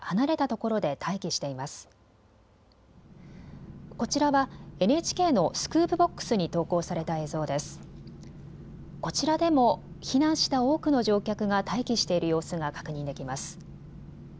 こちらでも避難した多くの乗客が待機している様子が確認できます。